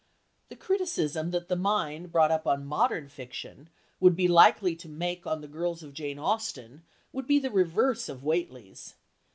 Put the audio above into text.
The criticism that the mind brought up on modern fiction would be likely to make on the girls of Jane Austen would be the reverse of Whately's.